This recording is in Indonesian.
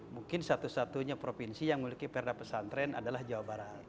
mungkin satu satunya provinsi yang memiliki perda pesantren adalah jawa barat